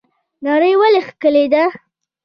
نړۍ ولې ښکلې ده؟